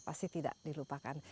pasti tidak dilupakan